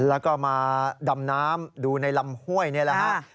แล้วก็มาดำน้ำดูในลำห้วยนี่แหละฮะ